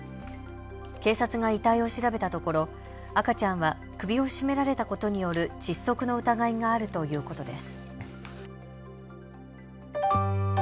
警察が遺体を調べたところ赤ちゃんは首を絞められたことによる窒息の疑いがあるということです。